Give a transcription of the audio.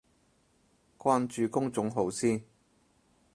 關注公眾號先